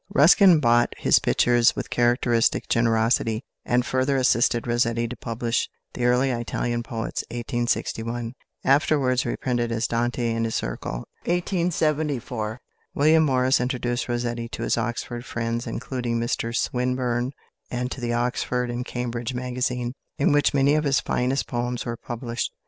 Ruskin bought his pictures with characteristic generosity, and further assisted Rossetti to publish "The Early Italian Poets" (1861), afterwards reprinted as "Dante and his Circle" (1874). William Morris introduced Rossetti to his Oxford friends, including Mr Swinburne, and to the Oxford and Cambridge Magazine, in which many of his finest poems were published.